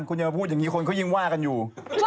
คุณอย่ามาพูดอย่างนี้คนเขายิ่งว่ากันอยู่